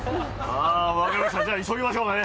分かりました、じゃあ、急ぎましょうね。